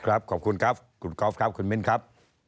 ขอบคุณครับคุณก๊อฟครับคุณมิ้นครับ